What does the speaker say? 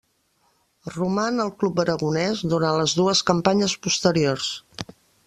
Roman al club aragonès durant les dues campanyes posteriors.